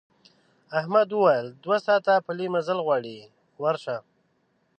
احمد وویل دوه ساعته پلی مزل غواړي ورشه.